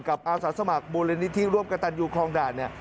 กับอาสาสมัครบริเวณนิษฐีรวมกับตันยูคลองด่าน